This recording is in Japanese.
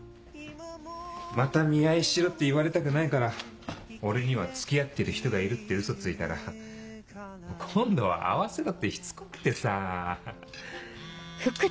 また見合いしろって言われたくないから俺には付き合ってる人がいるってウソついたら今度は会わせろってしつこくてさ。